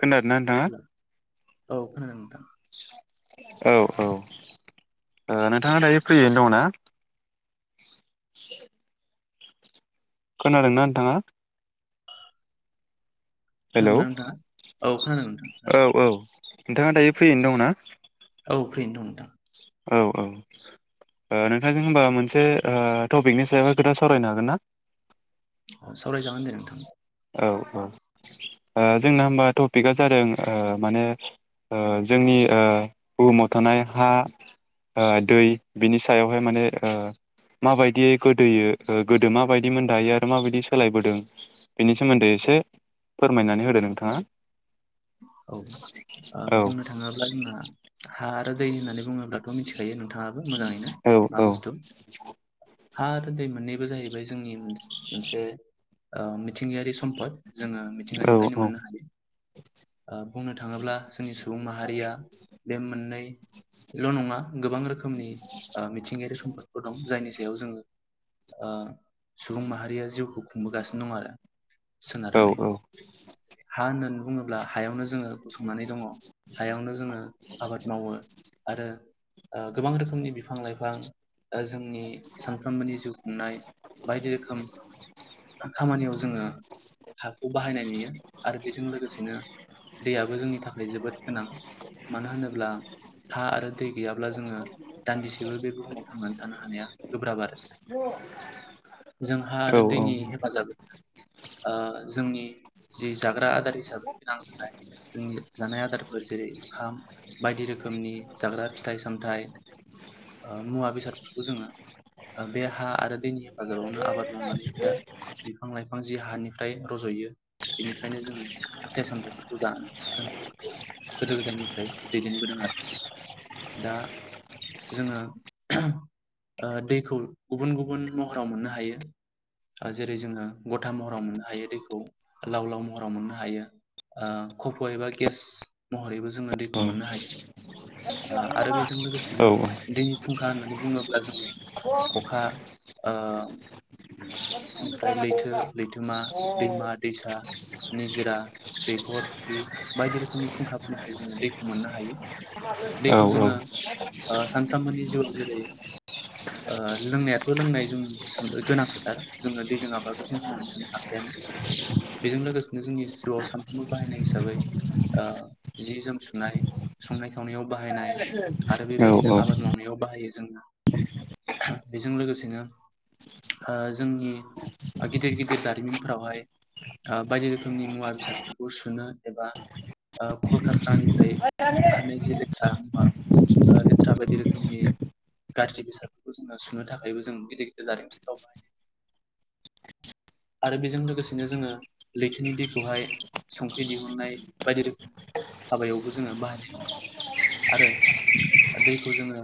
खोनादोंना नोंथाङा औ खोनादों नोंथां। औ-औ नोंथाङा दायो फ्रियैनो दङ ना? [unintelligible] खोनादोंना नोंथाङा? हेलौ खोनादोंना नोंथाङा? औ खोनादों नोंथां औ-औ नोंथाङा दायो फ्रियैनो दंना? औ फ्रियैनो दं नोंथां। औ-औ ओ नोंथांजों हबा मोनसे टपिकनि सायावहाय खोथा सावरायनो हागोन ना? सावरायजागोन दे नोंथां। औ-औ ओ जोंना होमबा टपिकआ जादों ओ माने ओ जोंनि ओ बुहुमाव थानाय हा ओ दै बिनि सायावहाय माने ओ माबायदियै गोदोयो गोदो माबायदि मोन दायो आरो माबायदि सोलायबोदों बेनि सोमोन्दै एसे फोरमायनानै होदो नोंथाङा। औ ओ औ बुंनो थाङोब्ला जोंना हा आरो दै होननानै बुङोब्लाथ' मिथि खायो नोंथाङाबो मोजाङैनो औ मा औ बुस्थु हा आरो दै मोननैबो जाहैबाय जनि मोनसे ओ मिथिंगायारि सम्द जोङो औ मिथिंगानिफ्रायनो औ मोननो हायो। ओ बुंनो थाङोब्ला जोंनि सुबुं माहारिया बे मोननैल' नङा। गोबां रोखोमनि मिथिंगायारि सम्पदफोर दं जायनि सायाव जोङो ओ सुबुं माहारिया जिउखौ खुंबोगासिनो दं आरो। सोनारनानै औ-औ हा होननानै बुङोब्ला हायावनो जोंङो गसंनानै दङ हायावनो जोङो आबाद मावो। आरो ओ गोबां रोखोमनि बिफां लाइफां जोंनि सानफ्रोमबोनि जिउ खुंनाय। बायदि रोखोम खामानियाव जोङो हाखौ बाहायनाय नुयो आरो बेजों लोगोसेनो दैयाबो जोंनि थाखाय जोबोद गोनां। मा होनोब्ला हा आरो दै गैयाब्ला जों ङो दान्दिसेबो बे बुहुमाव थांनानै थानो हानाया गोब्राब आरो। जोंहा औ आरो दैनि हेफाजाब ओ जोंनि जि जाग्रा आदार हिसाबै गोनां जोंनि जानाय आदारफोर जेरै ओंखाम बायदि रोखोमनि जाग्रा फिथाइ -सामथाइ ओ मुवा बेसादफोरखौ जोंङो बे हा आरो दैनि हेफाजाबावनो आबाद मावनानै बिफां- लाइफां बिफां जि हानिफ्राय रज'यो बेनिफ्रायनो जोङो फिथाइ- सामथाइखौ जानानै जों जिखौ गोदो -गोदायनिफ्राय दैदेनबोदों आरो। दा जोंङो ओ दैखौ गुबुन- गुबुन महराव मोननो हायो। जेरै जोङो गथा महराव मोननो हायो दैखौ लाव -लाव महराव मोननो हायो। ओ खफयै एबा गेस महरैबो जोंङो दैखौ मोननो हायो। आरो बेजों लोगोसेनो दैनि फुंखा होननानै बुङोब्ला जोङो अखा ओ ओमफ्राय लैथो -लैथोमा, दैमा -दैसा, निजोरा दैखर, फुख्रि बायदि रोखोमनि फुंखा फोरनिफ्राय जोङो दैखौ मोननो हायो। दैखौ जोङो सानफ्रोमबोनि जिउआव जेरै ओ लोंनाया बो लोंनाय जों गोनां खाथार जोङो दै लोङाब्लाथ' जों थांनानै थांनो हाखायानो। बेजों लोगोसेनो जोंनि जिउआव सान -फ्रामबो बाहायनाय हिसाबै जि- जोम सुनाय संनाय- खावनायाव बाहायनाय आरो बेबायदिनो आबाद मावनायाव बाहायो। जों बेजों लोगोसेनो ओ जोंनि गिदिर -गिदिर दारिमिन फोरावहाय ओ बायदि रोखोमनि मुवा बेसाद बेखौ सुनो एबा कलकखानिफ्राय ओंखारनाय जे लेखा मुंआ ओ लेत्ता बायदि रोखोमनि गाज्रि बेसादफोरखौ जोङो सुनो थाखायबो जों गिदिर -गिदिर लाारिमिफोराव आरो बेजों लोगोसेनो जोङो लैथोनि दैखौहाय संख्रि दिहुननाय बायदि रोखोमनि हाबायावबो जोङो बाहायनाय जायो। आरो दैखौ जोङो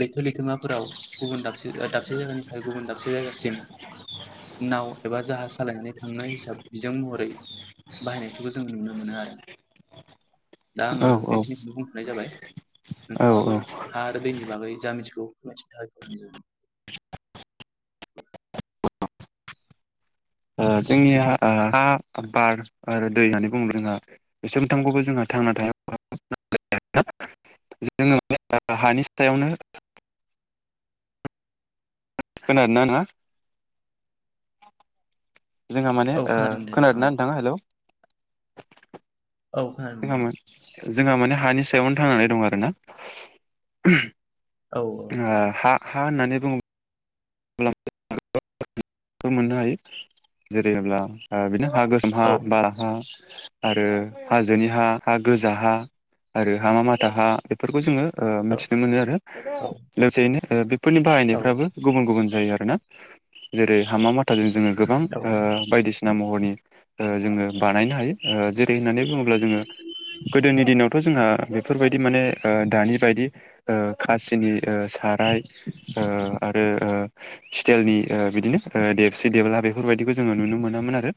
लैथो -लैथोमाफोराव गुबुन दाबसे ओ दाबसे जायगानिफ्राय गुबुन दाबसे जायगासिम नाव एबा जाहाज सालायनानै थांनाय हिसाबै बिजों महरै बाहायनायखौबो जों नुनो मोनो आरो। दा औ आङो बेखिनिखौनो बुंथ'नाय जाबाय। औ नोंथाङाबो ओ हा आरो दैनि बागै जामिनसखौ फोरमायथिनो थाखाय [inaudible] ओ जोंनि हा बार आरो दै होननानै बुङो जोंहा बे स मोनथामखौबो जोंहा थांना थाया जोङो हानि सायावनो। खोनादों ना जोंहा माने औ खोनादों दे नोंथां औ खोनादोंना नोंथाङा हेल'। औ खोनादों नोंथां। जोंहा माने हानि सायावनो थांनानै दं आरो ना। औ ओ हा- हा होननानै बुङो -ब्लाथ' मोननो हायो जेरैब्ला बेनो आगषत मा औ बाराहा आरो हाजोनि हा हा गोजा हा आरो हा मा माथा हा बेफोरखौ जोङो ओ औ मिथिनो मोनो आरो लोगोसेयैनो बेफोरनि औ बाहायनायफ्राबो गुबुन -गुबुन आरो ना जेरै हामा माथाजों जोो गोबां बायदिसिना बिना महरनि ओ जोङो बानायनो हायो ओ जेरै होननानै बुङोब्ला जोङो गोदोनि दिनावथ जोंहा बेफोरबायदि माने ओ दानि बायदि ओ खासिनि ओ खाराय [inaudible] ओ आरो स्टाइलनि ओ बिदिनो देबसे देबला बेफोरबायदिखौ जोङो नुनो मोनामोन आरो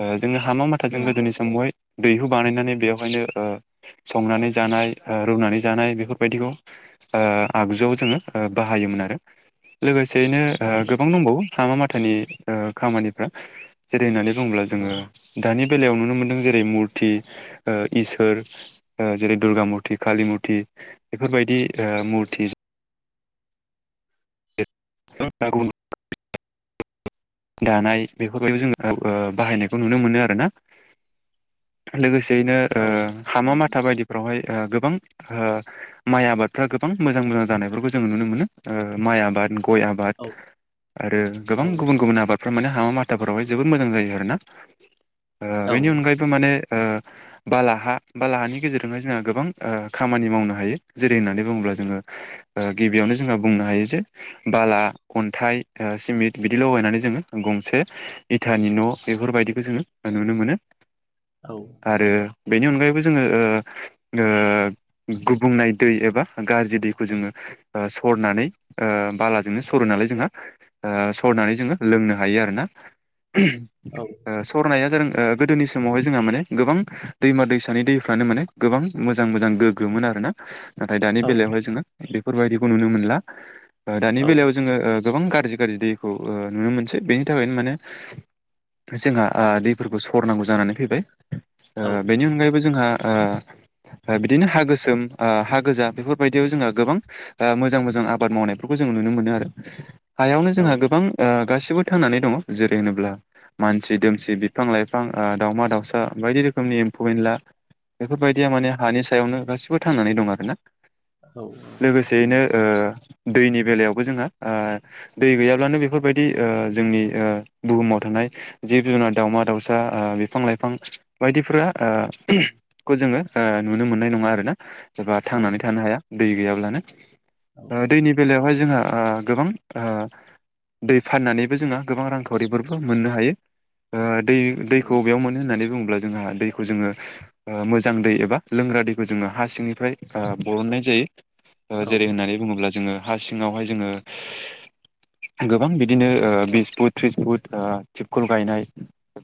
ओ जोङो हामा माथाजोंनो उम गोदोनि समावहाय दैहु बानायनानै बेवहायनो ओ संनानै जानाय ओ रुनानै जानाय बेफोरबायदिखौ ओ आगजुआव जोङो बाहायोमोन आरो। लोगोसेयैनो ओ औ गोबां दंबावो हामा माथानि ओ खामानिफ्रा जेरैनानै बुङोब्ला जोङो दानि बेलायाव नुनो मोन्दों जेरै मुरथि ओ इसोर ओ जेरै दुर्गा मुरथि कालि मुरथि बेफोरबायदि ओ मुरति [unintelligible] दानाय बेफोरबायदि जोङो ओ बाहायनायखौ नुनो मोनो आरोना। लोगोसेयैनो ओ औ हामा माथा बायदिफ्रावहाय ओ। ओ माइ आबादफ्रा गोबां मोजां मोजां जानायफोरखौ जों नुनो मोनो ओ माइ आबाद गय आबाद आरो औ गोबां गुबुन गुबुन आबाद फोर माने हामा माथाफोरावहाय जोबोद मोजां जायो आरोना ओ औ बेनि अनगायैबो माने ओ बालाहा बालाहानि गेजेरजोंहाय जोंहा गोबां ओ खामानि मावनो हायो जेरै होननानै बुङोब्ला जोङो गिबियावनो जोंहा बुंनो हायो जे बाला अन्थाइ ओ सिमेन्ट बिदि लगायनानै जोङो गंसे इथानि न' बेफोरबायदि बिदिखौ जों नुनो मोनो आरो बेनि अनगायैबो जों जोङो ओ ओ गुबुंनाय दै एबा गाज्रि दैखौ जोङो ओ‌ हरनानै ओ बालाजोंनो सरो नालाय जोंहा ओ सरनानै जोङो लोंनो हायो आरो ना ओ सरनाया जादों ओ गोदोनि समावहाय जोंहा माने गोबां दैमा दैसानि दैफ्रानो माने गोबां मोजां मोजां गोग्गोमोन आरो ना नाथाय दानि औ बेलायावहाय जोङो बेफोरबायदिखौ नुनो मोनला दानि ओ औ बेलायाव जोङो गोबां ओ गाज्रि गाज्रि दैखौ ओ नुनो मोनसै बेनि थाखायनो माने जोंहा ओ दैफोरखौ सरनांगौ जानानै फैबाय औ ओ बेनि अनगायैबो जोंहा ओ ओ बिदिनो हा गोसोम ओ हा गोजा बेफोरबायदियाव जोंहा गोबां ओ मोजां मोजां आबाद मावनाय जों नुनो मोनो आरो हायावनो औ जोंहा गोबां ओ गासिबो थांनानै दङ जेरै होनोब्ला मानसि दोमसि बिफां लाइफां ओ दाावमा दाउसा बायदि रोखोमनि एम्फौ एनला बेफोरबायदिया माने हानि सायावनो गासिबो थांनानै दं आरोना औ लोगोसेयैनो ओ नंगौ दैनि बेलायावबो जोंहा ओ दै गैयाब्लानो बेफोरबायदि ओ जोंनि ओ बुहुमाव थानाय जिब जुनार दाउमा दाउसा ओ बिफां लाइफां बायदिफोरा ओ खौ जोङो नुनो मोननाय नङा आरोना एबा थांनानै थानो हाया दै गैयाब्लानो औ ओ दैनि बेवहाय जोंहा ओ गोबां ओ दै फाननानैबो जोंहा गोबां रांखावरिफोरबो मोननो हायो ओ दै औ दैखौ बेयाव मोनो होननानै बुंदों। अब्ला जोंहा दैखौ जोङो ओ मोजां दै एबा लोंग्रा दैखौ जोङो हा सिंनिफ्राय ओ बरननाय जायो जेरै होननानै बुङोब्ला जोङो हा सिङावहाय जोङो गोबां बिदिनो बिस फुट त्रिस फुट ओ थिबखल गायनाय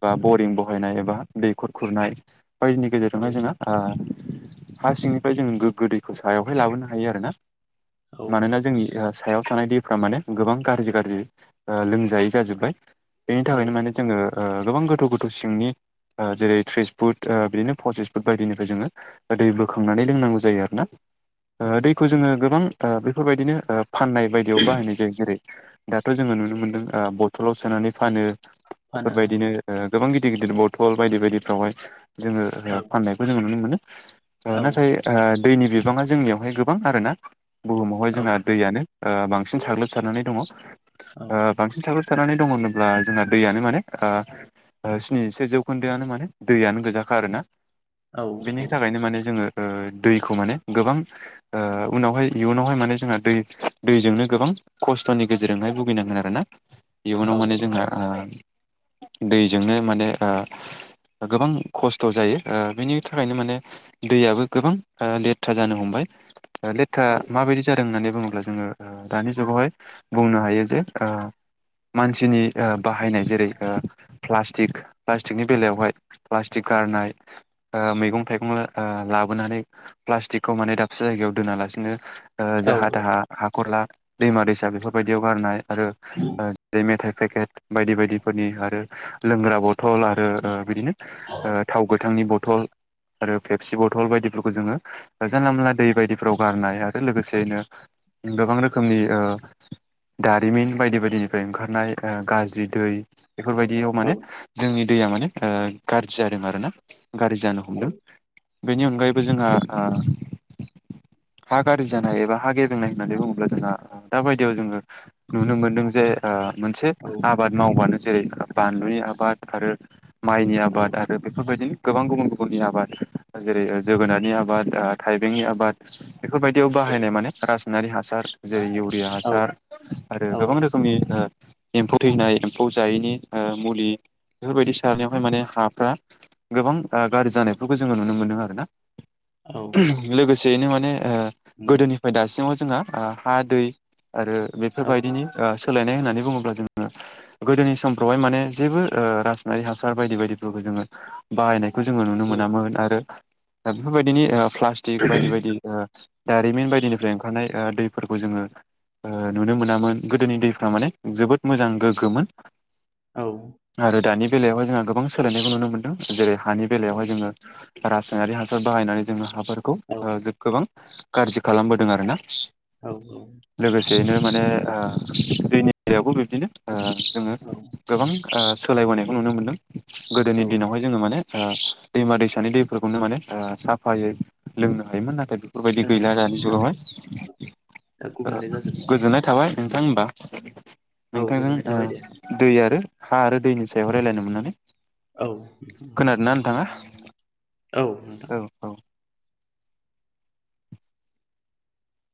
बा बरिं बहायनाय एबा दैखर खुरनाय बायदिनि औ गेजेरजोंहाय जोङो ओ हा सिंनिफ्राय जोंङो गोग्गो दैखौ सायावहाय लाबोनो हायो आरोना औ मानोना नि सायाव थानाय दैफ्रा माने गोबां गाज्रि गाज्रि ओ लोंजायै जाजोब्बाय बेनि औ थाखायनो माने जोङो ओ गोबां गोथौ गोथौ सिंनि ओ जेरै त्रिस फुट ओ बिदिनो फसिस फुट बायदिनिफ्राय जोङो दै बोखांनानै लोंनांगौ जायो आरोना औ ओ दैखौ जोङो गोबां ओबेफोरबायदिनो ओ फाननाय बायदियाव बाहायनाय जायो जेरै दाथ' जोङो नुनो मोनदों ओ बथलाव सोनानै फानो फानो बेफोरबायदिनो ओ गोबां गिदिर गिदिर बथल बायदि बायदिफ्रावहाय जोङो औ फाननायखौ जोङो नुनो मोनो। ओ औ नाथाय ओ दैनि बिबाङा जोंनियावहाय गोबां आरोना बुहुमावहाय औ जोंहा दैयानो ओ बांसिन साग्लोबसारनानै दङ ओ बांसिन साग्लोब सारनानै दङ होनोब्ला जोंहा दैयानो माने ओ ओ स्निजिसे जौखोन्दोआनो माने दैयानो गोजाखा आरोना औ बेनि थाखायनो माने जोङो ओ दैखौ माने गोबां ओ उनावहाय इयुनावहाय माने जोंङो दै दैजोंनो गोबां खस्थ'नि गेजेरजोंहाय भुगिनांगोन आरो ना। औ इयुनाव माने जोंहा दैजोंनो माने गोबां खस्थ' जायो ओ बिनि थाखायनो माने दैयाबो गोबां ओ लेथ्रा जानो हमबाय लेथ्रा औ माबायदि जादों होननानै बुङोब्ला जोङो दानि जुगावहाय बुंनो हायो जे ओ मानसिनि ओ बाहायनाय जेरै ओ प्लास्टिक प्लास्टिकनि बेलायावहाय प्लास्टिक गारनाय ओ मैगं थाइगं ओ लाबोनानै प्लास्टिकखौ माने दाबसे जायगायाव दोना ला सेनो ओ औ नंगौ औ जाहा दाहा हाखरला दैमा दैसा बेफोरबायदियाव गारनाय आरो ओ ओ दै मेथाइ पेकेट बायदि बायदिफोरनि आरो लोंग्रा बथल आरो ओ बिदिनो ओ थाव गोथांनि बथल आरो फेपसि बथल बायदिफोरखौ जोंङो जानला मोनला दै बायदिफोराव गारनाय आरो लोगोसेयैनो गोबां रोखोमनि ओ दारिमिन बायदि बायदिनिफ्राय ओंखारनाय ओ गाज्रि दै बेफोरबायदियाव औ माने जोंनि दैया माने ओ गाज्रि जादों आरो ना गाज्रि जानो हमदों बेनि अनगायैबो जोंहा ओ हा गाज्रि जानाय एबा हा गे ब्रेंनाय होननानै बुङोब्ला जोंहा दा बायदियाव जोंङो नुनो मोन्दों जे ओ मोनसे आबाद मावबानो जेरै बानलुनि आबाद आरो माइनि आबाद आरो बेफोरबायदिनो गोबां गुबुन गुबुननि आबाद जेरै ओ जोगोनारनि आबाद ओ थाइबेंनि आबाद बेफोरबायदियाव बाहायनाय माने रासनारि हासार जेरै इउरिया हासार आरो गोबां रोखोमनि ओ एम्फौ थैनाय एम्फौ जायैनि ओ मुलि बेफोरबायदि सारनायावहाय माने हाफ्रा गोबां ओ गाज्रि जानायफोरखौ जोङो नुनो मोनो आरो ना लोगोसेयैनो माने ओ नोंगौ गोदोनिफ्राय दासिमाव जोंहा ओ हा दै आरो औ बेफोरबायदिनिओ सोलायनाय होननानै बुङोब्ला जोंङो गोदोनि समफ्रावहाय माने जेबो ओ रासनारि हासार बायदि बायदिफोरखो जों बायनायखौ जोंङो नुनो औ मोनामोन आरो बेफोरबायदिनि ओ प्लास्टिक बायदि बायदि ओ दारिमिन बायदिनिफ्राय ओंखारनाय ओ दैफोरखौ जोंङो ओ नुनो मोनामोन गोदोनि दैफ्रा माने जोबोद मोजां गोग्गोमोन आरो दानि बेलायावहाय जोंहा गोबां सोलायनायखौ नुनो मोनदों जेरै हानि बेलायावहाय लोंनो जोङो रासायनारि हासार बाहायनानै जोङो हाफोरखौ ओ गोबां गाज्रि खालामबोदों आरो ना औ औ बेनो माने ओ दैनि बेलायावबो बिबदिनो जोंङो गोबां ओ सोलायबोनायखौ नुनो मोनदों गोदोनि दिनावहाय जोंङो माने ओ दैमा दैसानि दैफोरखौनो माने ओ साफायै लोंनो हायोमोन नाथाय बेफोरबायदि गैला हायोमोन दानि जुगावहाय ओ नाथाय दा गुबुंले जाजोबबाय गोजोननाय थाबाय बुंनो नोंथां थाङोब्ला होमबा औ नोंथांजों गोजोननाय थाबाय दे ओ दै आरो हा आरो दैनि सायाव रायज्लायनो मोननानै औ खोनादोंना नोंथाङा औ नोंथां औ औ